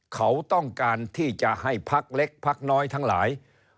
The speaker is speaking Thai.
เขาต้องการที่จะให้พักเล็กพักน้อยทั้งหลาย